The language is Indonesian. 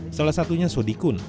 salah satunya sodikun